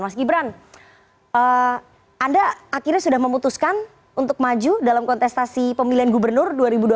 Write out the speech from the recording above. mas gibran anda akhirnya sudah memutuskan untuk maju dalam kontestasi pemilihan gubernur dua ribu dua puluh